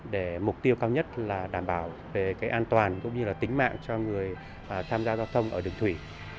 để mục tiêu cao nhất là đảm bảo về cái an toàn cũng như là tính mạng cho người tham gia giao thông ở đường thủy